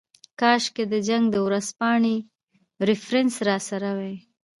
کاشکې د جنګ د ورځپاڼې ریفرنس راسره وای.